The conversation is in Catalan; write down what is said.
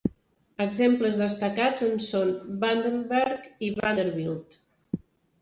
Exemples destacats en són "Vandenberg" i "Vanderbilt".